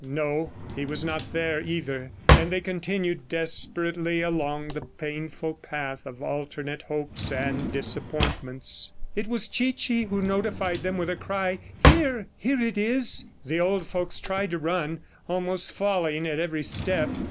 ... No, he was not there, either; and they continued desperately along the painful path of alternate hopes and disappointments. It was Chichi who notified them with a cry, "Here. ... Here it is!" The old folks tried to run, almost falling at every step.